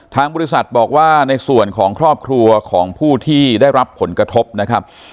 ทางบริษัทบอกว่าในส่วนของครอบครัวของผู้ที่ได้รับผลกระทบนะครับ